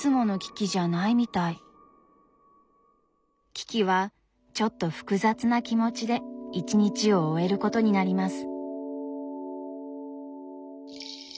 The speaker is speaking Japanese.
キキはちょっと複雑な気持ちで一日を終えることになります。